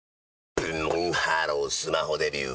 ブンブンハロースマホデビュー！